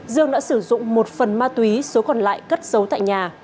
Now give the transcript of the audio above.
dương đã sử dụng một phần ma túy số còn lại cất giấu tại nhà